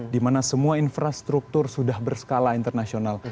dimana semua infrastruktur sudah berskala internasional